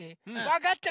わかった。